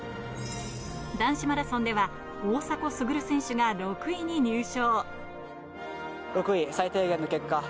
男子マラソンでは、大迫傑選手が６位に入賞。